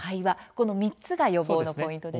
この３つが予防のポイントでしたね。